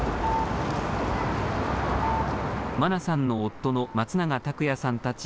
真菜さんの夫の松永拓也さんたち